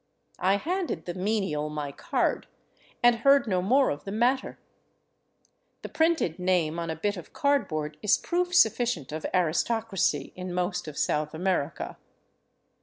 I handed the menial my card, and heard no more of the matter. The printed name on a bit of cardboard is proof sufficient of aristocracy in most of South America.